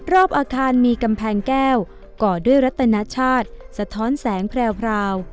รอบอาคารมีกำแพงแก้วก่อด้วยรัตนชาติสะท้อนแสงแพรว